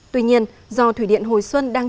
tuy nhiên do thủy điện hồi xuân đang